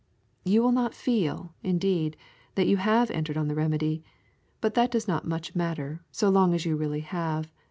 You will not feel, indeed, that you have entered on the remedy; but that does not much matter so long as you really have.